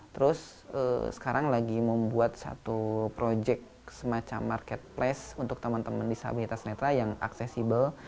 terus sekarang lagi membuat satu project semacam marketplace untuk teman teman disabilitas netra yang aksesibel